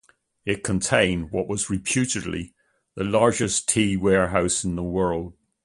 It contained what was reputedly the largest tea warehouse in the world.